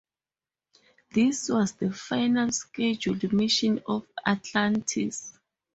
This was the final scheduled mission of "Atlantis".